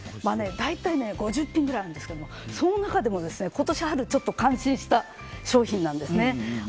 大体５０品くらいあるんですがその中でも今年の春感心した商品なんですね。